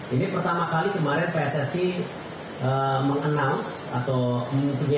ini pertama kali kemarin pssi meng announce atau menunjukkan